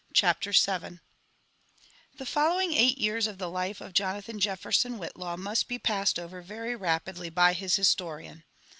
CHAPTER VII The following eight years of the life of Jonathan Jefferson Whitlaw must be passed over very rapidly by his historian.